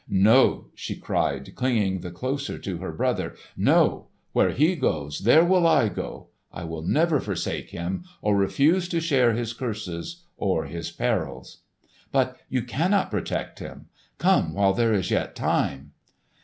"No!" she cried, clinging the closer to her brother. "No! where he goes, there will I go! I will never forsake him or refuse to share his curses or his perils!" "But you cannot protect him! Come while there is yet time!"